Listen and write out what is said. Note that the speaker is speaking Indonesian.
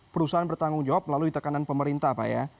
perusahaan bertanggung jawab melalui tekanan pemerintah pak ya